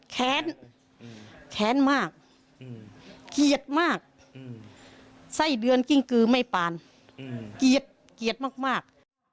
แขั้นมากเกียจมากใส่เดือนกิ้งกลือไม่ปานเกียจเกียจมาก